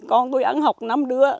con tôi ăn học năm đứa